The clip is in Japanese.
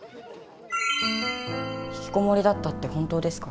ひきこもりだったって本当ですか？